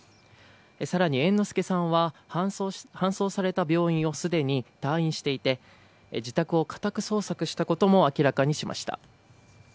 更に、猿之助さんは搬送された病院をすでに退院していて自宅を家宅捜索したことも明らかにしました。